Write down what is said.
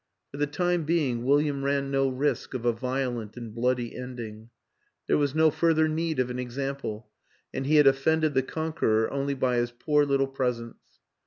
For the time being William ran no risk of a violent and bloody ending; there was no further need of an example and he had of fended the conqueror only by his poor little pres ence.